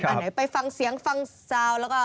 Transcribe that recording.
อันนี้ไปฟังเสียงฟังเสียงแล้วก็